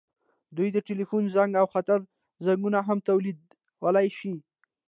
دوی د ټیلیفون زنګ او خطر زنګونه هم تولیدولی شي.